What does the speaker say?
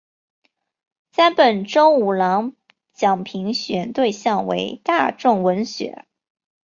山本周五郎奖评选对象为大众文学。